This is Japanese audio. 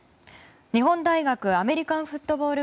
日本大学アメリカンフットボール